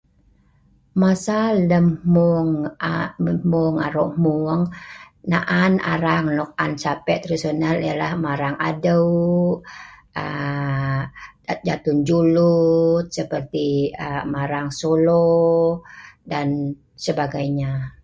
Masa lem hmueng um aro hmueng na'an sape ya'nah marang adeu um jatun julut um seperti marang solo dan sebagainya.